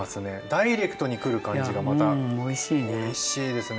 ダイレクトにくる感じがまたおいしいですね。